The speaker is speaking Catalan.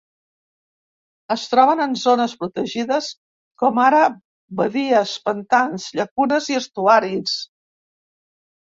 Es troben en zones protegides com ara badies, pantans, llacunes i estuaris.